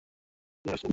সে বলল, কি আশ্চর্য!